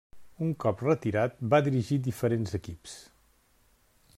Un cop retirat va dirigir diferents equips.